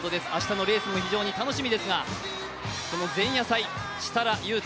明日のレースも非常に楽しみですが前夜祭、設楽悠太